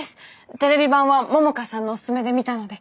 テレビ版は桃香さんのオススメで見たので。